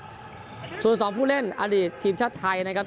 ส่วนสองผู้เล่นอดีตทีมชาติไทยนะครับ